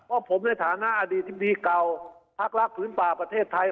ว่าผมในฐานะอดีตที่ดีเก่าพรรคลักษณ์ปลิ้นป่าประเทศไทย